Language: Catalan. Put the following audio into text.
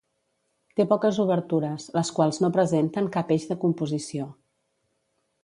Té poques obertures, les quals no presenten cap eix de composició.